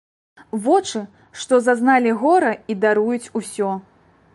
Вочы, што зазналі гора і даруюць за ўсё.